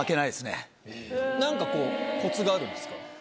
何かこうコツがあるんですか？